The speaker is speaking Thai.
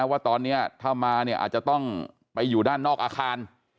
ว่าตอนนี้ถ้ามาเนี่ยอาจจะต้องไปอยู่ด้านนอกอาคาร